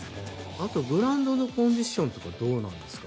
あとグラウンドのコンディションはどうなんですか。